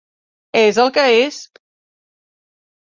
És el que és!